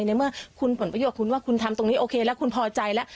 ในเมื่อคุณผลประโยชน์คุณว่าคุณทำตรงนี้โอเคแล้วคุณพอใจแล้ว